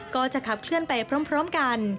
ก็จะขับเคลื่อนไปพร้อมกัน